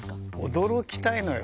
驚きたいのよ。